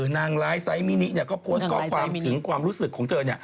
นางไลน์ไซมินิเนี่ยก็โพสต์ข้อความถึงความรู้สึกของเธอเนี่ย